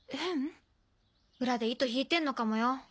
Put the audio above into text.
裏で糸引いてんのかもよ。